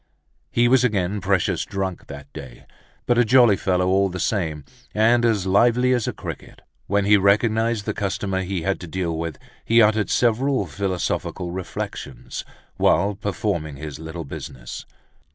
He was again precious drunk that day, but a jolly fellow all the same, and as lively as a cricket. When he recognized the customer he had to deal with he uttered several philosophical reflections, whilst performing his little business.